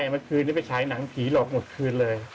เมื่อคืนนี้ไปฉายหนังผีหลอกหมดคืนเลย